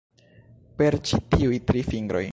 Per ĉi tiuj tri fingroj.